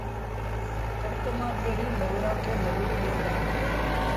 ڪڻڪ مآݩ پيريݩ مزورآݩ کي مزوريٚ ڏيݩ دآ